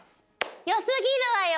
よすぎるわよ！